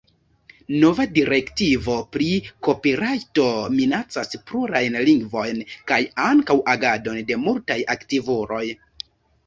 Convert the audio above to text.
Nova direktivo pri kopirajto minacas plurajn lingvojn kaj ankaŭ agadon de multaj aktivuloj.